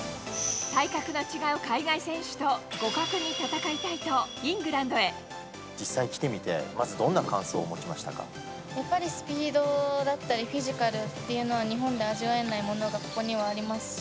体格の違う海外選手と互角に実際来てみて、まずどんな感やっぱりスピードだったり、フィジカルっていうのは、日本で味わえないものがここにはありますし。